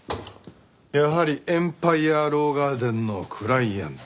やはりエンパイヤ・ロー・ガーデンのクライアント。